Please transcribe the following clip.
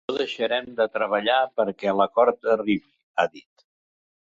“No deixarem de treballar perquè l’acord arribi”, ha dit.